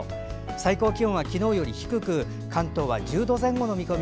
最高気温は昨日より低く関東は１０度前後の見込み。